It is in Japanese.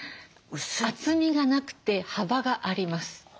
厚みがなくて幅があります。